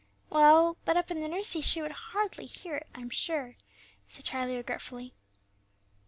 "Well; but up in the nursery she would hardly hear it, I'm sure," said Charlie, regretfully.